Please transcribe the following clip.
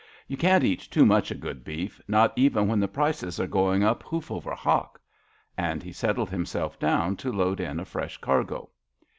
You can't eat too much o' good beef — ^not even when the prices are going up hoof over hock." And he settled himself down to load in a fresh cargo.